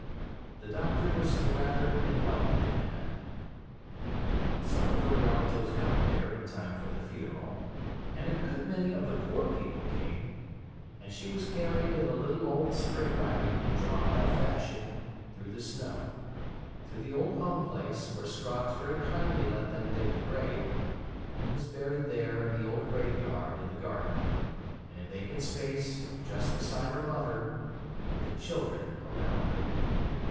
The doctor was a rather enlightened man. Some of her relatives got there in time for the funeral, and a good many of the poor people came; and she was carried in a little old spring wagon, drawn by Fashion, through the snow, to the old home place, where Scroggs very kindly let them dig the grave, and was buried there in the old graveyard in the garden, in a vacant space just beside her mother, with the children around her.